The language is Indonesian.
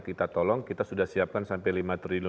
kita tolong kita sudah siapkan sampai